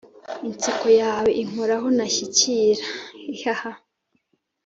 inseko yawe inkoraho ntashyikiraaaa iiihhh